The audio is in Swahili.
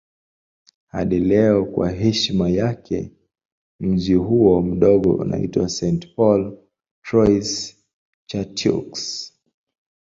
Hadi leo kwa heshima yake mji huo mdogo unaitwa St. Paul Trois-Chateaux.